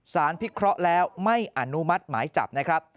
สารพิเคราะห์แล้วไม่อนุมัติหมายจับ